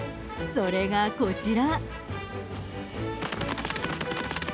それがこちら！